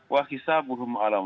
wahisabuhum ala allah